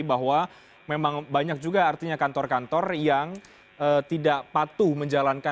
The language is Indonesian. bahwa memang banyak juga artinya kantor kantor yang tidak patuh menjalankan